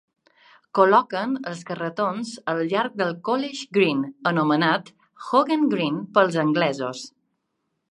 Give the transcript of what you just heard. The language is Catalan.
Col·loquen els carretons al llarg del College Green, anomenat Hoggen Green pel anglesos.